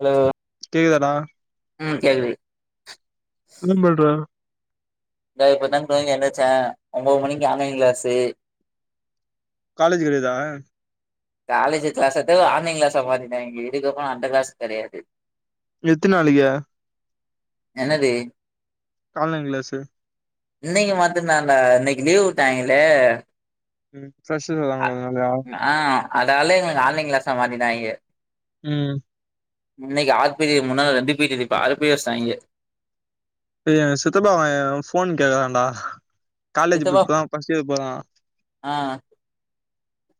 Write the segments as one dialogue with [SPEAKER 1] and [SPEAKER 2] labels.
[SPEAKER 1] hello
[SPEAKER 2] கேக்குதா டா
[SPEAKER 1] ம் கேள்வி
[SPEAKER 2] [unintelligible] பண்ற
[SPEAKER 1] த இப்ப தா தூங்கி எந்துருச்சே ஒம்போ மணிக்கி ஆன்லைன் கிளாஸு
[SPEAKER 2] காலேஜ் கிடையாதா
[SPEAKER 1] காலேஜ் கிளாசதா ஆன்லைன் கிளாசா மாத்திட்டாங்க இதுக்கு அப்புற அந்த கிளாஸ் கெடையாது
[SPEAKER 2] எத்த நாளைக்கே
[SPEAKER 1] என்னது
[SPEAKER 2] ஆன்லைன் கிளாஸு
[SPEAKER 1] இன்னைக்கு மட்டு தா டா இன்னைக்கு லீவ் விட்டாங்களே
[SPEAKER 2] ம் ஃப்ரெஷ் வராங்கள அதனாலையா
[SPEAKER 1] ஆ அதால எங்களுக்கு ஆன்லைன் கிளாசா மாத்திட்டாங்க
[SPEAKER 2] ம்
[SPEAKER 1] இன்னைக்கு ஆறு பீரியட் முன்னாள் ரெண்டு பீரியட் இப்ப அர பீரிய வச்சுட்டாங்க
[SPEAKER 2] ஏ சித்தப்பா அவ எ ஃபோன் கேக்குறான்டா காலேஜு இப்
[SPEAKER 1] சித்தப்பா
[SPEAKER 2] இப்ப தா ஃபஸ்ட் இயர் போரா
[SPEAKER 1] ஆ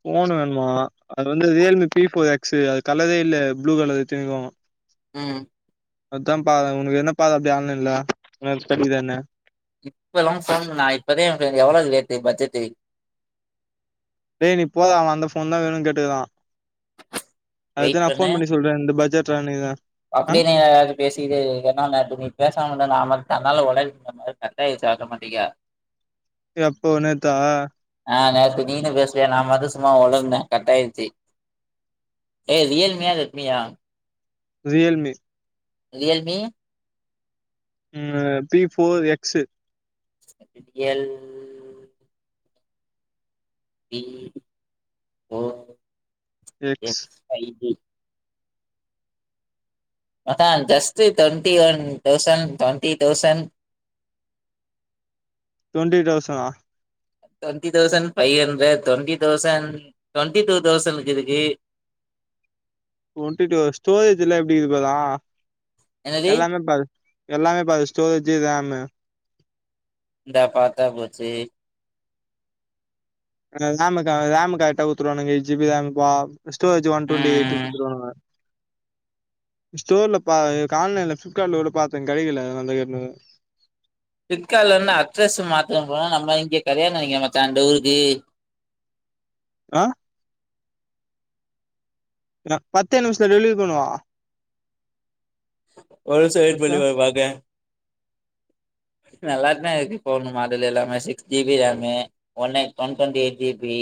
[SPEAKER 2] போனு வேணுமா அது வந்து ரியல்மி பிஃபோர் எக்சு அது கலரே இல்ல ப்ளூ கலர் எத்திருக்கோ
[SPEAKER 1] ம்
[SPEAKER 2] அதா பாத உனக்கு என்ன பாத அப்டி ஆன்லைன்ல நெக்குஸ்டு [unintelligible] என்ன
[SPEAKER 1] இப்பெல்லா போன் பன்ன நா இப்பதா [unintelligible] எவ்வளவு லேட்டு பட்ஜெட்டு
[SPEAKER 2] டேய் நீ போதா அவ அந்த போன் தா வேணுனு கேட்டுக்குறா அது
[SPEAKER 1] வெயிட்
[SPEAKER 2] தா நா போன் பண்ணி சொல்றே இந்த பட்ஜெட்றா நீ தா
[SPEAKER 1] அப்டி ன எதாது பேசிட்டே என்னா மேட்டருன்னு நீ பேசாம இருந்தா நா ம தன்னால உலறி [inaudible] கட்டாயிடுச்சு ஆட்டமேட்டிக்கா [inaudible]
[SPEAKER 2] எப்போ நேத்தா
[SPEAKER 1] ஆ நேத்து நீனு பேசுவிய நா மத்து சும்மா ஒளருனே கட்டாயிச்சு ஏ ரியல்மியா ரெட்மியா
[SPEAKER 2] ரியல் மி
[SPEAKER 1] ரியல் மி
[SPEAKER 2] ம் அ before X
[SPEAKER 1] L P O
[SPEAKER 2] X
[SPEAKER 1] F five P மச்சா just twenty one thousand twenty thousand [inaudible]
[SPEAKER 2] டோண்டி தௌசணா
[SPEAKER 1] twenty thousand five hundred twenty thousand twenty two தௌசன்க்கு இருக்கு
[SPEAKER 2] டோண்ட்டி டூ ஸ்டோரேஜ்லா எப்டி இருக்குல்லா
[SPEAKER 1] என்னது
[SPEAKER 2] எல்லாமே பாரு எல்லாமே பாரு ஸ்டோரேஜு ரேமு
[SPEAKER 1] இந்தா பாத்தா போச்சு
[SPEAKER 2] அ ரேமு க ரேமு கரெக்டா குடுத்துவானுங்க எயிட் ஜிபி ரேமு பா ஸ்டோரேஜ் ஒன் டுவெண்டி எயிட்
[SPEAKER 1] ம்
[SPEAKER 2] குடுத்துவானுங்க
[SPEAKER 1] [inaudible]
[SPEAKER 2] ஸ்டோர்ல பா கா ஆன்லைன்ல ஃபிலிப்கார்ட்ல கூட பாத்தே கெடைக்கல அந்த கேட்டுனு [unintelligible]
[SPEAKER 1] ப்ளிப்கார்ட்ல இருந்து அட்ரஸ் மாத்த போனா நம்ம இங்கே [unintelligible] வச்சா டூருக்கு
[SPEAKER 2] ஆ நா பத்தே நிமித்துல டெல்வரி பண்ணுவா
[SPEAKER 1] ஒரு சட்
[SPEAKER 2] மச்சா
[SPEAKER 1] வழி [unintelligible] பாத்தே நல்லா தா இருக்கு இப்போ வந்த மாடல் எல்லாமே six G B RAM one nine one twenty eight G B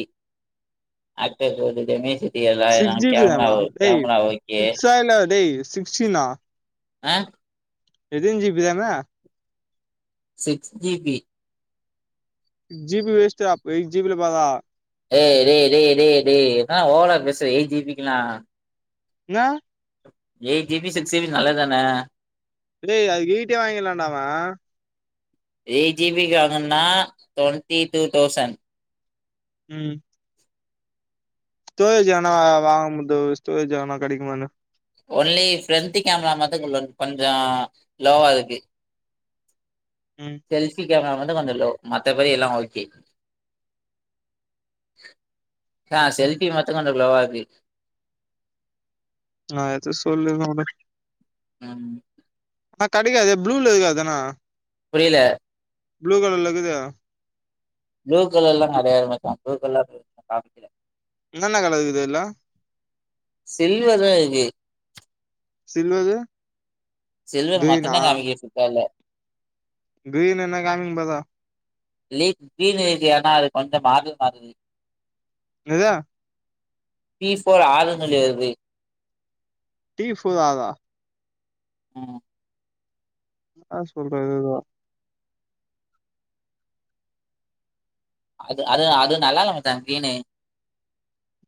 [SPEAKER 1] அடுத்தேடுத்தது [unintelligible]
[SPEAKER 2] six G B ரேம டேய்
[SPEAKER 1] ஓகே
[SPEAKER 2] சிக்ஸா இல்ல டேய் சிக்ஸ்டின்னா
[SPEAKER 1] ஆ
[SPEAKER 2] எத்துன் G B RAM
[SPEAKER 1] six G B
[SPEAKER 2] G B வேஸ்டா அப் எட் ஜி பில பரா
[SPEAKER 1] ஏய் டே டே டே டேய் என்னா ஓவரா பேசுற எயிட் ஜி பிக்கலா
[SPEAKER 2] நா
[SPEAKER 1] eight G B six G B நல்லது தானே
[SPEAKER 2] அடேய் அதுக்கு எய்ட்டே வாங்கிலான்டா அவ
[SPEAKER 1] எயிட் ஜி பி க்கு வாங்கனா டுவெண்ட்டி டூ தௌசண்
[SPEAKER 2] ம் ஸ்டோரேஜ் ஆனா வாங்குபோது ஸ்டோரேஜ் ஆனா கெடைக்குமா என்ன
[SPEAKER 1] ஒன்லி ஃப்ரண்ட்டு கேமரா மத்து [unintelligible] கொஞ்சோ லோவா இருக்கு
[SPEAKER 2] ம்
[SPEAKER 1] செல்ஃபி கேமரா மட்டு கொஞ்சோ லோ மத்தபடி எல்லா ஓகே ஆ
[SPEAKER 2] ம்
[SPEAKER 1] செல்ஃபி மத்து கொஞ்சோ லோவா இருக்கு
[SPEAKER 2] நா எது சொல்லுங்க வுடு
[SPEAKER 1] அம்
[SPEAKER 2] ஆ கடையிலே அதே ப்ளூல இருக்கே அதாண்ணா
[SPEAKER 1] புரியல
[SPEAKER 2] ப்ளூ கலர்லக்குத
[SPEAKER 1] ப்ளூ கலர்லா கிடையாது மச்சா ப்ளூ கலர் [inaudible] கவணிக்கல
[SPEAKER 2] என்னென்ன கலர் இருக்குது இதுல
[SPEAKER 1] சில்வர் தா இருக்கு
[SPEAKER 2] சில்வரு
[SPEAKER 1] சில்வர்
[SPEAKER 2] கிரீனா
[SPEAKER 1] மட்டுதா காமிக்குது ஃபிளிப்கார்ட்ல
[SPEAKER 2] கிரீன் என்ன [unintelligible]
[SPEAKER 1] லீஃப் கிரீன்னு இருக்கு ஏன்னா அத கொஞ்சோ மாரவே மாட்டிங்குது
[SPEAKER 2] எதா
[SPEAKER 1] பீஸ் போட ஆளு கெடையாது
[SPEAKER 2] டீ சுதாதா
[SPEAKER 1] ம்
[SPEAKER 2] ஆ சொல்றது வர்
[SPEAKER 1] அது அது அது நல்லா இல்ல மச்சா க்ரீன்னு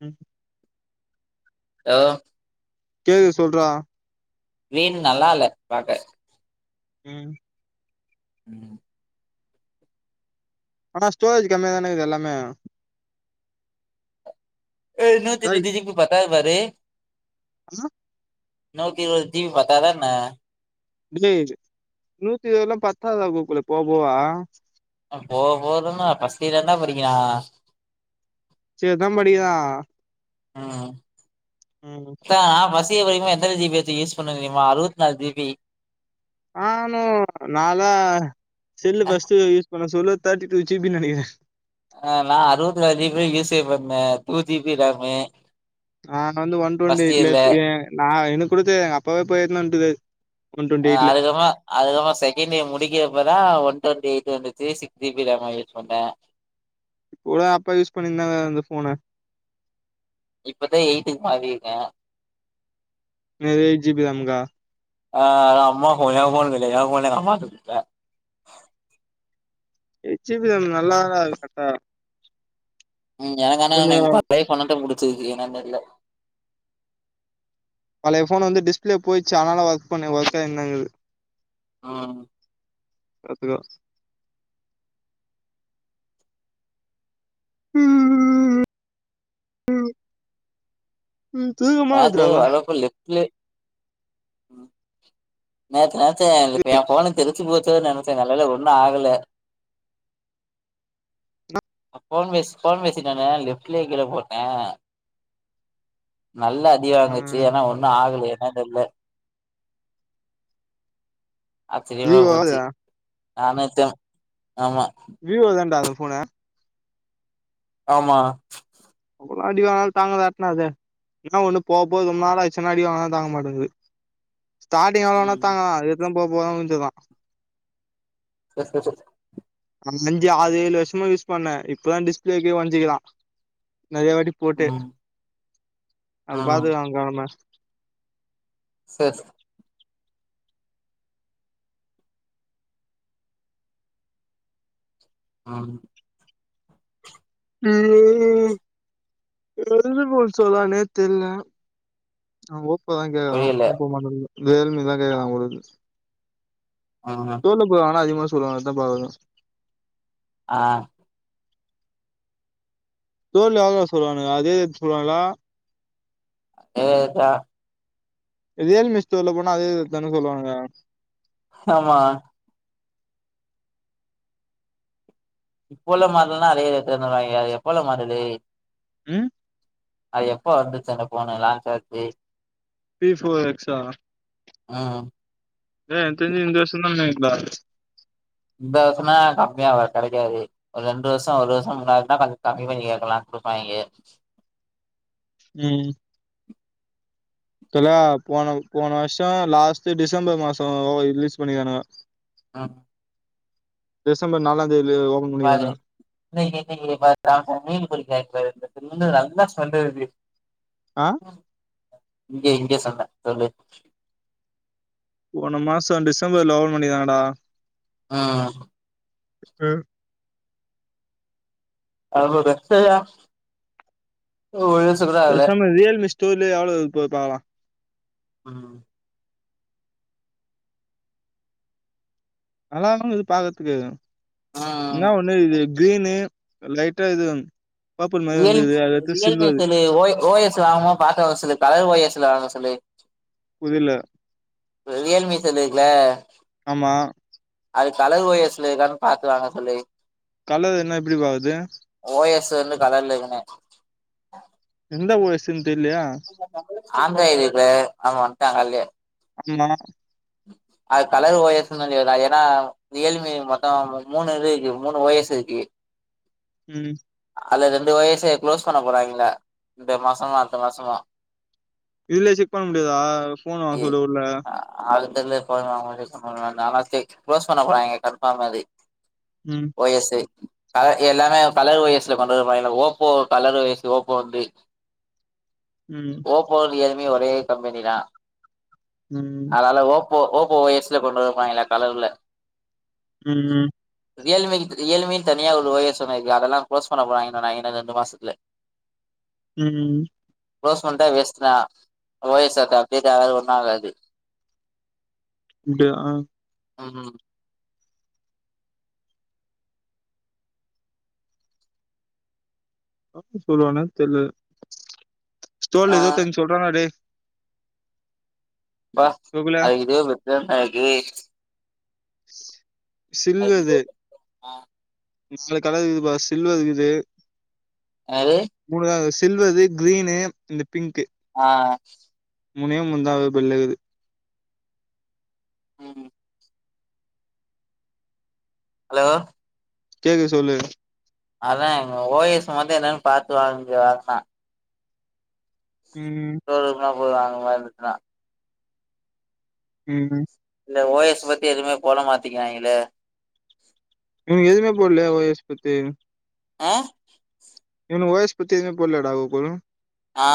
[SPEAKER 2] ம்
[SPEAKER 1] ஹலோ
[SPEAKER 2] கேக்குது சொல்றா
[SPEAKER 1] மீனு நல்லா இல்ல பாக்க
[SPEAKER 2] ம்
[SPEAKER 1] ம்
[SPEAKER 2] ஆனா ஸ்டோரேஜ் கம்மியா தான இக்குது எல்லாமே
[SPEAKER 1] ஏய் என்னத்திது
[SPEAKER 2] டேய்
[SPEAKER 1] திதிப் பத்தாது பாரு
[SPEAKER 2] ஆ
[SPEAKER 1] நோக்கிவ தீவி பத்தாத என்ன
[SPEAKER 2] ஏ நூத்தி இருவதுல்லா பத்தாதுடா கோகுலு போவ போவ
[SPEAKER 1] போவ போவதான்ன ஃபர்ஸ்ட் இயர் தான படிகிறா
[SPEAKER 2] ஃபர்ஸ்ட் இயர்தா படிகிதா
[SPEAKER 1] ம்
[SPEAKER 2] ம்
[SPEAKER 1] இதா நா ஃபர்ஸ்ட் இயர் படிக்கும் போது எத்தன ஜி பி வச்சி யூஸ் பண்ணுவே தெரியுமா அறுபத்தி நாலு ஜி பி
[SPEAKER 2] ஆனா நாலா செல்லு ஃபர்ஸ்ட் யூஸ் பண்ண சொல்ல தேர்ட்டி டூ ஜி பின்னு நெனைக்கிறே
[SPEAKER 1] ஆ நா அறுபத்தி நாலு ஜி பி தா யூசே பண்ணே டூ ஜிபி ராம்
[SPEAKER 2] ஆ நா வந்து ஒன் டுவெண்டி எயிட்ல எத் ஏ நா எனக்கு கூட தெரியாது எங்க அப்பாவே போய் எடுத்துன்னு வன்ட்டுருக்காரு
[SPEAKER 1] ஆ அதுக்கப்றோ அதுக்கப்றோ செகண்ட் இயர் முடிக்கிறப்பா தா ஒன் டுவண்டி எயிட் வந்துச்சி six G B RAM use பண்றே
[SPEAKER 2] வுடு அப்பா யூஸ் பண்ணிருந்தாங்க அந்த ஃபோன
[SPEAKER 1] இப்பதா எயிட்டுக்கு மாறிருக்கே
[SPEAKER 2] என்ன எயிட் ஜி பி ராம்கா
[SPEAKER 1] ஆ அது அம்மா ஃபோன் ஏ ஃபோன்ல்ல ஏ ஃபோன எங்க அம்மாக்கு குடுத்தே
[SPEAKER 2] எச்சி பி என் நல்லாதான்டா இருக்கு சட்ட
[SPEAKER 1] ம் எனக்கு ஆனா எனக்கு ட்ரை பண்ணதா பிடிச்சிருக்கு என்னன்னு தெரில
[SPEAKER 2] பழைய ஃபோன் வந்து டிஸ்பிளே போயிச்சு அதனால ஒர்க் பண்ணே ஒர்கே என்னங்கது
[SPEAKER 1] ஆ
[SPEAKER 2] கத்துக்கோ ம் ம் ம் ம் தூக்கமா வருதுராப்பா
[SPEAKER 1] பிளே ம் நேத்து நெனச்சே ஏ ஃபோன்க்கு தெரிச்சு போச்சேன்னு நெனச்சே நல்ல வேள ஒண்ணு ஆகல ஃபோன் பேசி ஃபோன் பேசிட்டு வந்தே லெஃப்ட்லயே கீழ போட்டே நல்ல அடி வாங்குச்சு
[SPEAKER 2] ம்
[SPEAKER 1] ஏன்னா ஒண்ணு ஆகல என்னன் தெரில ஆச்சரியமா
[SPEAKER 2] விவோ
[SPEAKER 1] போச்சு நானேத்தா ஆமா
[SPEAKER 2] விவோ தானடா அந்த ஃபோனு
[SPEAKER 1] ஆமா
[SPEAKER 2] எவ்ளா அடி வாங்கினாலு தாங்கதாட்னா அது என்ன ஒண்ணு போக போக ரொம்ப நாள் ஆச்சுன்னா அடி வாங்குனா தாங்க மாட்டேங்குது ஸ்டார்டிங் எவ்ளோவேணா
[SPEAKER 1] ம்
[SPEAKER 2] தாங்கு அதுக்கு அடுத்துதா போக போகதா முடிஞ்சதா
[SPEAKER 1] எஸ் ஸ்பெஷல்
[SPEAKER 2] நா அஞ்சி ஆறு ஏழு வருஷமா யூஸ் பண்ணே இப்பதா டிஸ்பிளேக்கே ஒடஞ்சிக்குதா நெறைய வாட்டி போட்டு
[SPEAKER 1] ம்
[SPEAKER 2] அப்ப
[SPEAKER 1] ஆ
[SPEAKER 2] பாத்துக்கோ அவங்க கடம
[SPEAKER 1] சஸ் ஆ
[SPEAKER 2] என்ன தெரியுமா சொல்றான்னே தெரில அவே ஓ பி இப்பதா கேக்கறா
[SPEAKER 1] புரியல
[SPEAKER 2] முப்ப மண வே ரியல்மீ தா கேக்கறா போல இக்குது
[SPEAKER 1] ஆ
[SPEAKER 2] தெரில ப்ரோ ஆனா அதிகமா சொல்லுவாங்க இதா ப்ரோ அததா
[SPEAKER 1] ஆ
[SPEAKER 2] தோல்ல எவ்ளோ சொல்லுவானுங்க அதே ரேட் சொல்லுவாங்களா
[SPEAKER 1] எதேதா
[SPEAKER 2] ரியல்மி ஸ்டோர்ல போனா அதே ரேட்தான சொல்லுவானுங்க
[SPEAKER 1] ஆமா இப்ப உள்ள மாடல்னா அதே ரேட்டு தருவாங்க அது எப்ப உள்ள மாடலு
[SPEAKER 2] ம்
[SPEAKER 1] அது எப்போ வந்துச்சு அந்த ஃபோனு லான்ச் ஆச்சு
[SPEAKER 2] பி ஃபோர் எக்ஸ் ஆ
[SPEAKER 1] ம்
[SPEAKER 2] எனக் தெரிஞ்சு இந்த வருஷதா நெனக்கிற
[SPEAKER 1] இந்த வருசனா கம்மியா வரும் கெடைக்காது ஒரு ரெண்டு வருஷ ஒரு வருஷ முன்னாடின்னா கம்மி பண்ணி கேக்கலா குடுப்பாய்ங்க
[SPEAKER 2] ம் தல்லா போன போன வருஷ லாஸ்ட் டிசம்பர் மாசம் ரிலீஸ் பண்ணிருக்கான்ங்க
[SPEAKER 1] ஆ
[SPEAKER 2] டிசம்பர் நாலாம் தேதில ஓப
[SPEAKER 1] பாரு இன்னிக்கி இன்னிக்கி பாரு ராமு மீனு பொறிக்றாரு பாரு தின்னு நல்லா ஸ்மெல் வருது
[SPEAKER 2] ஆ
[SPEAKER 1] இங்க இங்க சண்ட சொல்லு
[SPEAKER 2] போன மாச டிசம்பர்ல ஓபன் பண்ணிருக்காங்கடா
[SPEAKER 1] ம்
[SPEAKER 2] ம்
[SPEAKER 1] அவ ரக்சய த ஒருஷ்
[SPEAKER 2] பேசாம ரியல்மி ஸ்டோர்லயே எவ்ளவு இது போது பாக்கலா
[SPEAKER 1] ம்
[SPEAKER 2] நல்லாதா இருக்கு பாக்றதுக்கு
[SPEAKER 1] ம்
[SPEAKER 2] என்ன ஒண்ணு இது கிரீனு லைட்டா இது வன்னு
[SPEAKER 1] real Realme cell O O S வாங்கமா பாத்து சொல்லு கலர் ஓ எஸ் ல வாங்க சொல்லு
[SPEAKER 2] புரில
[SPEAKER 1] ரியல்மி செல்லு இருக்குல
[SPEAKER 2] ஆமா
[SPEAKER 1] அது கலர் ஓ எஸ் ல இருக்கானு பாத்து வாங்க சொல்லு
[SPEAKER 2] கலர் என்ன எப்டி பாக்து
[SPEAKER 1] ஓ யஸ் வந்து கடைல இருக்குன்னே
[SPEAKER 2] எந்த ஓ எஸ் னு தெர்லயே
[SPEAKER 1] ஆண்ட்ராய்டு இதுல அவ வந்டாங் கால்லயே
[SPEAKER 2] அஜிமனா
[SPEAKER 1] அது கலர் ஓ எஸ் னா ஏனா ரியல்மி மொத்தோ மூணு இருக்கு மூணு ஓ எஸ் இருக்கு
[SPEAKER 2] ம்
[SPEAKER 1] அதுல ரெண்டு ஓ எஸ்ஸே க்ளோஸ் பண்ண போராய்ங்ளா இந்த மாசமா அடுத்த மாசமா
[SPEAKER 2] இதுல செக் பண்ண முடியாதா ஃபோன் வாங்க சொல்ல உள்ள
[SPEAKER 1] அது தெர்ல இப்ப அவங்கல டிஸ்டப் பண்ண வேண்டா நானா செக் க்ளோஸ் பண்ண போறாய்ங்க கட்ப்பா மாரி
[SPEAKER 2] ம்
[SPEAKER 1] ஓ எஸ் எ எல்லாமே கலர் ஓ எஸ் ல கொண்டு வரபோறாய்ங்கள Oppo colour O S Oppo வந்து
[SPEAKER 2] ம்
[SPEAKER 1] ஓப்போ ரியல்மி ஒரே கம்பெனி தா
[SPEAKER 2] ம்
[SPEAKER 1] கால்ல ஓப்போ ஓப்போ ஓ எஸ் ல கொண்டு வந்துப்பாய்ங்ள கலர்ல
[SPEAKER 2] ம் ம்
[SPEAKER 1] ரியல்மிக்கு ரியல்மின் தனியா ஒரு ஓ எஸ் சொன்னாய்ங்கல அதெல்லா க்ளோஸ் பண்ண போறாய்ங்க சொன்னாய்ங்க இன்னு ரெண்டு மாசத்துல
[SPEAKER 2] ம் ம்
[SPEAKER 1] க்ளோஸ் பண்ட்டா வேஸ்ட்டுதா ஓ எஸ் சேத்த அப்டேட்டாகாது ஒண்ணு ஆகாது
[SPEAKER 2] அப்டியா
[SPEAKER 1] ம்
[SPEAKER 2] அப்டி சொல்லுவானா தெர்ல
[SPEAKER 1] ஆ
[SPEAKER 2] ஸ்டோர்ல எதோ தெரியு சொல்றானா டே
[SPEAKER 1] பா
[SPEAKER 2] கோகுலு
[SPEAKER 1] அதுக்கு இதுவே பெட்ரு [unintelligible] அதுக்கு இதுவே பெட்ருனா
[SPEAKER 2] மிஸ்ஸியோ கலர் இக்குதுப்பா சில்வர் இக்குது
[SPEAKER 1] என்னாது
[SPEAKER 2] மூணு தா இக்குது சில்வரு க்ரீனு இந்த பிங்க்கு
[SPEAKER 1] ஆ
[SPEAKER 2] மூணே மூணு தா அதுவு பில்லக்குது
[SPEAKER 1] ம் அலோ
[SPEAKER 2] கேக்குது சொல்லு
[SPEAKER 1] அதா அங்க ஓ எஸ் மட்டு என்னனு பாத்து வாங்கு அதா
[SPEAKER 2] ம்
[SPEAKER 1] ஷோரூம் தா போனு வாங்ற மார் இருந்துச்சுன்னா
[SPEAKER 2] ம் ம்
[SPEAKER 1] இந்த ஓ எஸ் பத்தி எதுமே போட மாத்திக்கிறாய்ங்களே
[SPEAKER 2] இன்னு எதுமே போட்லயா ஓ எஸ் பத்தி
[SPEAKER 1] ஆ
[SPEAKER 2] இன்னு ஓ எஸ் பத்தி எதுமே போட்லயாடா கோகுலு
[SPEAKER 1] ஆ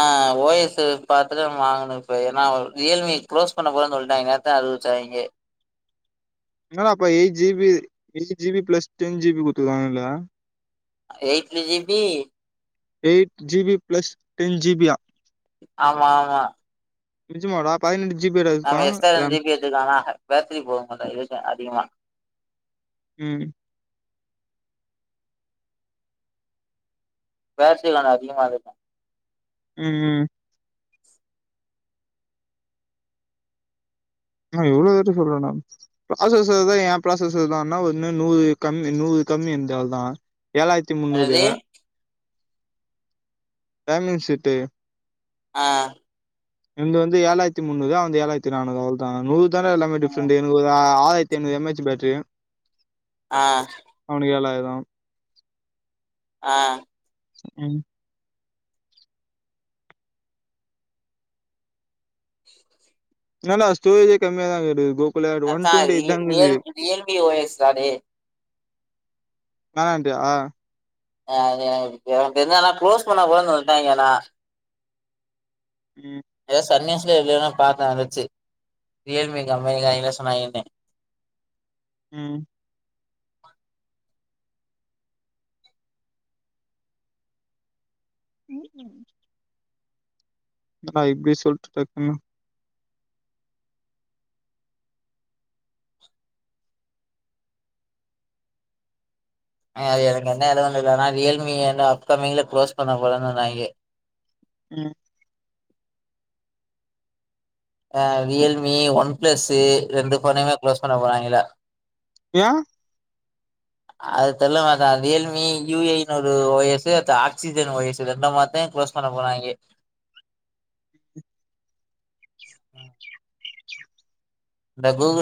[SPEAKER 1] ஓ எஸ்ஸு பாத்துதா நம்ம வாங்கணு இப்ப ஏனா ரியல் மி க்ளோஸ் பண்ண போறேன் சொல்ட்டாய்ங்க நே த்தா அறிவிச்சாய்ங்க
[SPEAKER 2] என்னடா பையி G B eight G B plus ten G B குத்துருக்காங்க இதுல
[SPEAKER 1] eighty GB
[SPEAKER 2] eight GB plus ten ஜிபியா
[SPEAKER 1] ஆமா ஆமா
[SPEAKER 2] நெஜம்மாடா பதினெட்டு ஜிபியாட இருக்கு
[SPEAKER 1] நம்ம எக்ஸ்ட்ரா
[SPEAKER 2] ரேம்
[SPEAKER 1] [unintelligible] பேட்ரி [unintelligible] இருக்கு அதிகமா
[SPEAKER 2] ம்
[SPEAKER 1] பேட்ரி [unintelligible] அதிகமாருக்கு
[SPEAKER 2] ம் ம் ஆ இவ்ளோ ரேட்டு சொல்றாடா ப்ராசஸ்சு தா ஏ ப்ராசஸ்சு தான்னா ஒன்னு நூறு கம்மி நூறு கம்மி என்து அவ்ள் தா ஏழாய்ர்த்தி முந்நூறு
[SPEAKER 1] என்னது
[SPEAKER 2] டயமன்ட் செட்டு
[SPEAKER 1] ஆ
[SPEAKER 2] எந்து வந்து ஏழாயிரத்தி முந்நூறு அவந்து ஏழாயிரத்தி நானூறு அவ்ளோதா நூறு தான எல்லாமே டிஃபரண்ட் எனக்கு ஒரு ஆ ஆயி தென்னூறு எம் ஹெச் பேட்ரி
[SPEAKER 1] ஆ
[SPEAKER 2] அவனுக் ஏழாயிரோ
[SPEAKER 1] ஆ
[SPEAKER 2] அன் என்னனா ஸ்டோரேஜே கம்மியாதா இருக்குது கூ
[SPEAKER 1] மச்சா ரி real Realme O S card
[SPEAKER 2] வேணான்ட்டியா
[SPEAKER 1] ஆ அது எனக்கு ப்ப என்னனா குளோஸ் பண்ணப்போறனு சொல்ட்டாங்கன்னா
[SPEAKER 2] ம்
[SPEAKER 1] எதோ சன் நியூஸ்லையோ எதுலயோ நா பாத்தே வந்துச்சு ரியல்மி கம்பெனி காரங்க என்ன சொன்னாங்கென்னு
[SPEAKER 2] ம் ம் ம் என்னணா இப்டி சொல்லிட்டே டக்குனு
[SPEAKER 1] அது எனக்கு என்ன ஏதுன்னுலா தெர்ல ஆனா ரியல்மி அந்த அப்கம்மிங்ல கு்ளோஸ் பண்ண போறேன் சொன்னாய்ங்கே
[SPEAKER 2] ம்
[SPEAKER 1] ஆ ரியல்மி ஒன்ப்ளஸ்சு ரெண்டு போனையுமே க்ளோஸ் பண்ண போறாங்களா
[SPEAKER 2] ஏ
[SPEAKER 1] அது தெர்ல மச்சா ரியல்மி யு ஐ னு ஒரு ஓ எஸ்சு அத்து ஆக்சிஜன் ஓ எஸ்சு ரெண்ட மாத்த க்ளோஸ் பண்ண போறாங்கே அ இந்த கூகுள்